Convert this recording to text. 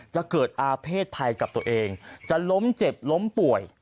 จะเกิดอาเภษภัยกับตัวเองจะล้มเจ็บล้มป่วย